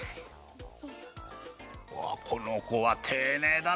わあこのこはていねいだね